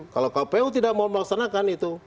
kalau kpu tidak mau melaksanakan itu